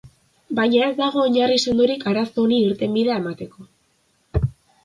Baina ez dago oinarri sendorik arazo honi irtenbidea emateko.